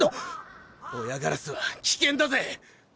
・親ガラスは危険だぜ！